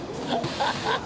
ハハハハハ！